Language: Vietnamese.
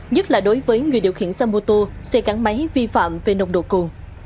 nhất là đối với người điều khiển xe mô tô xe gắn máy vi phạm về nông độ cồ